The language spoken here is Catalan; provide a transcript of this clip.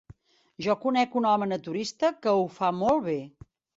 Jo conec un home naturista que ho fa molt bé.